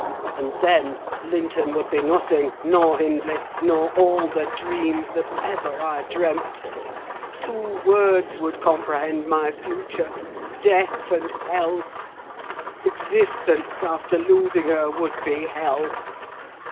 And then, Linton would be nothing, nor Hindley, nor all the dreams that ever I dreamt. Two words would comprehend my future—death and hell: existence, after losing her, would be hell.